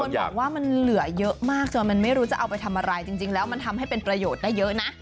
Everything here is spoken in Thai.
บอกว่ามันเหลือเยอะมากจนมันไม่รู้จะเอาไปทำอะไรจริงแล้วมันทำให้เป็นประโยชน์ได้เยอะนะ